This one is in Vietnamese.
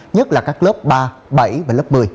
nhất là các lớp ba bảy và lớp một mươi